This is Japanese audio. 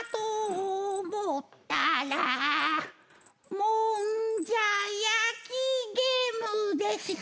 「もんじゃ焼きゲームでした」